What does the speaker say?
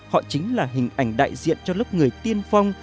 họ chính là hình ảnh đại diện cho lớp người tiên phong